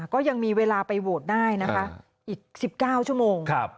ก็ยังมีเวลาไปโหวตได้นะคะอีก๑๙ชั่วโมง